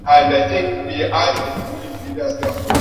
Limesema hatua hiyo ina lengo la kutengeneza mazingira ya majadiliano